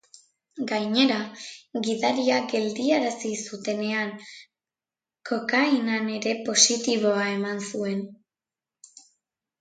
Gainera, gidaria geldiarazi zutenean kokainan ere positiboa eman zuen.